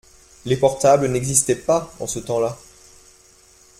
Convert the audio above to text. Les portables n’existaient pas en ce temps-là.